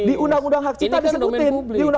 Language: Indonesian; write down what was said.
di undang undang hak cipta disebutin